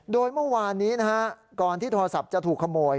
โดยเมื่อวานนี้นะฮะก่อนที่โทรศัพท์จะถูกขโมย